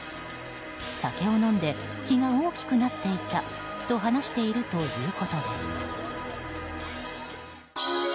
酒を飲んで気が大きくなっていたと話しているということです。